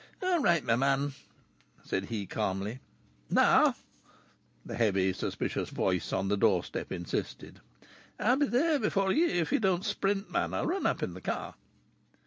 "All right, my man," said he, calmly. "Now?" the heavy, suspicious voice on the doorstep insisted. "I'll be there before ye if ye don't sprint, man. I'll run up in the car."